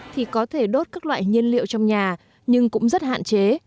thì có thể đốt các loại nhiên liệu trong nhà nhưng cũng rất hạn chế